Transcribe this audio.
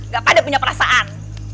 gak pada punya perasaan